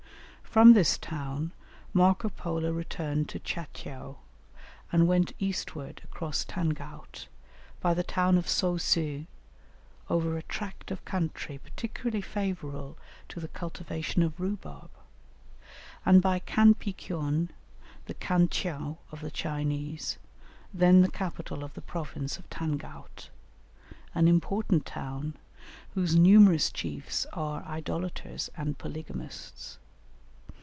From this town Marco Polo returned to Tcha tcheou, and went eastward across Tangaut, by the town of So ceu, over a tract of country particularly favourable to the cultivation of rhubarb, and by Kanpiceon, the Khan tcheou of the Chinese, then the capital of the province of Tangaut, an important town, whose numerous chiefs are idolaters and polygamists.